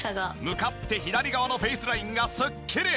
向かって左側のフェイスラインがスッキリ！